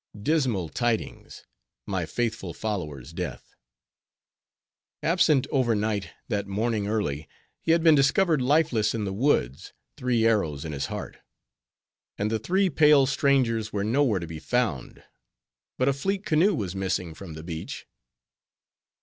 Dismal tidings!—My faithful follower's death. Absent over night, that morning early, he had been discovered lifeless in the woods, three arrows in his heart. And the three pale strangers were nowhere to be found. But a fleet canoe was missing from the beach.